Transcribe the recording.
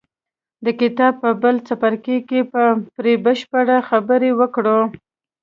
د کتاب په بل څپرکي کې به پرې بشپړې خبرې وکړو.